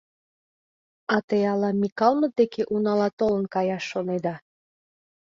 А те ала Микалмыт деке унала толын каяш шонеда?